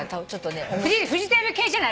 フジテレビ系じゃない？